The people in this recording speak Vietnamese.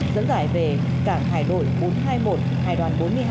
dẫn giải về cảng hải đội bốn trăm hai mươi một hải đoàn bốn mươi hai